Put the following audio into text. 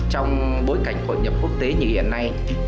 trong bối cảnh hội nhập quốc tế như hiện nay